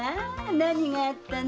何があったの？